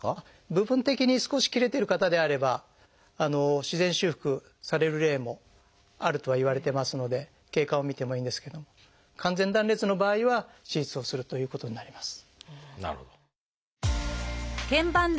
部分的に少し切れてる方であれば自然修復される例もあるとはいわれてますので経過を見てもいいんですけれども完全断裂の場合は手術をするということになります。